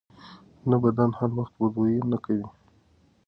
نه، بدن هر وخت بد بوی نه کوي.